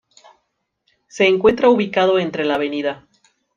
Se encuentra ubicado entre la Av.